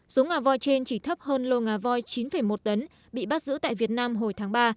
số ngả vòi trên chỉ thấp hơn lô ngả vòi chín một tấn bị bắt giữ tại việt nam hồi tháng ba